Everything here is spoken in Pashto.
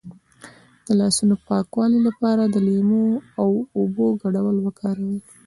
د لاسونو د پاکوالي لپاره د لیمو او اوبو ګډول وکاروئ